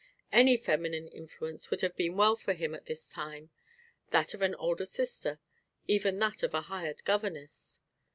Any feminine influence would have been well for him at this time: that of an older sister, even that of a hired governess.